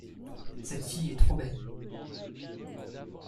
Cette fille est trop belle.